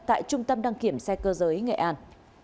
tại trung tâm đăng kiểm xe cơ giới nghệ an